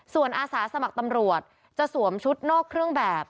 ส่วนอาสาสมัครตำรวจจะสวมชุดนอกเครื่องแบบ